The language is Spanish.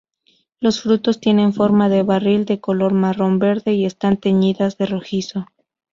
Los frutos tienen forma de barril, de color marrón-verde y están teñidas de rojizo.